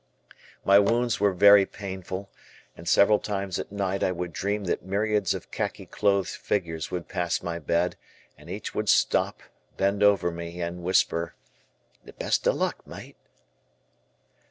My wounds were very painful, and several times at night I would dream that myriads of khaki clothed figures would pass my bed and each would stop, bend over me, and whisper, "The best of luck, mate."